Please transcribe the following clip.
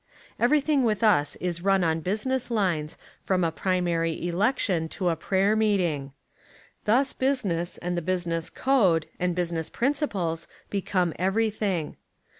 Everything with us is "run" on business lines from a primary election to a prayer meeting. Thus business, and the business code, and business principles become everything.